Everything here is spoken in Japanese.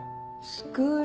スクール？